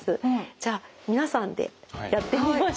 じゃあ皆さんでやってみましょうか。